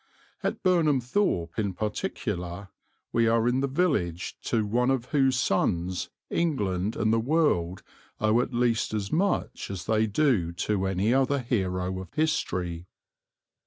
At Burnham Thorpe in particular we are in the village to one of whose sons England and the world owe at least as much as they do to any other hero of history.